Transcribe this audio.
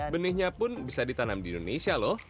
benihnya pun bisa ditanam di indonesia loh